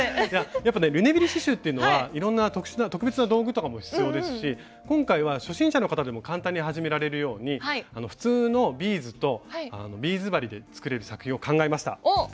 やっぱねリュネビル刺しゅうっていうのはいろんな特別な道具とかも必要ですし今回は初心者の方でも簡単に始められるように普通のビーズとビーズ針で作れる作品を考えました。